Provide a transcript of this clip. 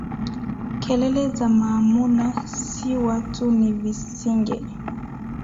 Kelele za maamuna, si watu ni visinge,